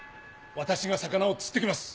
私が魚を釣って来ます。